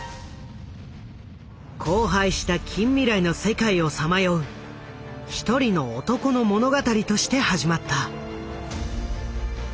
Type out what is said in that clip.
荒廃した近未来の世界をさまよう一人の男の物語として始まった。